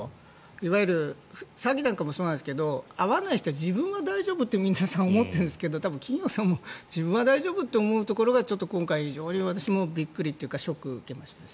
いわゆる詐欺なんかもそうなんですが遭わない人は自分は大丈夫と皆さん思ってるんですけど企業さんも自分は大丈夫って思うところがちょっと今回びっくりというかショックを受けました。